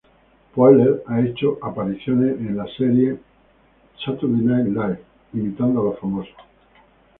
Poehler ha hecho apariciones en la serie "Saturday Night Live" imitando a los famosos.